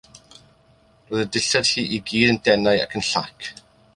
Roedd ei dillad hi i gyd yn denau ac yn llac.